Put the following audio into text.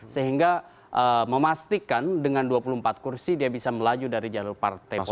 sehingga memastikan dengan dua puluh empat kursi dia bisa melaju dari jalur partai politik